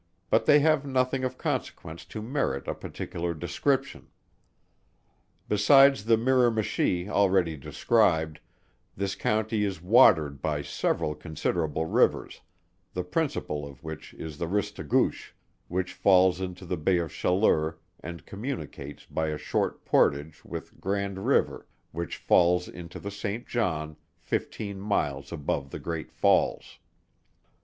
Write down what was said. but they have nothing of consequence to merit a particular description. Besides the Miramichi already described, this county is watered by several considerable rivers, the principal of which is the Ristigouche, which falls into the Bay of Chaleur, and communicates by a short portage with Grand River which falls into the Saint John fifteen miles above the great falls.